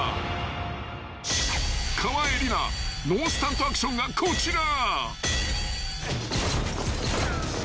ノースタントアクションがこちら］